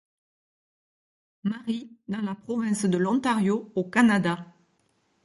Marie, dans la province de l'Ontario au Canada.